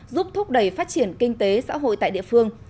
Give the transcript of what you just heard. giúp thúc đẩy phát triển kinh tế xã hội tại địa phương